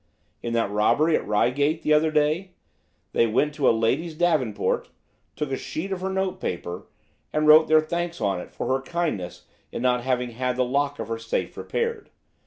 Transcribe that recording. In that robbery at Reigate, the other day, they went to a lady's Davenport, took a sheet of her note paper, and wrote their thanks on it for her kindness in not having had the lock of her safe repaired.